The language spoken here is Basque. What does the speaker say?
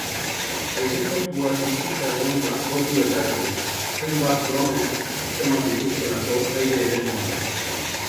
Aireportua itxita egon da ordu eta erdiz, hainbat drone atzeman dituztelako aire eremuan.